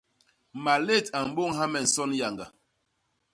Malét a mbôñha me nson yañga.